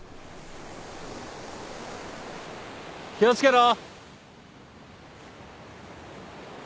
気を付けろ。